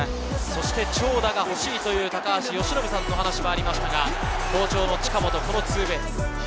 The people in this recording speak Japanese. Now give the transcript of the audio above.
長打が欲しいという高橋由伸さんの話もありましたが好調の近本、ツーベース。